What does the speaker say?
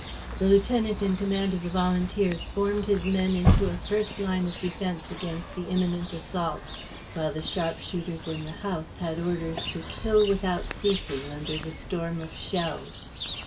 The lieutenant in command of the volunteers formed his men into a first line of defense against the imminent assault, while the sharpshooters in the house had orders to kill without ceasing under the storm of shells.